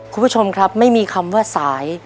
คุณผู้ชมครับไม่มีคำว่าสาย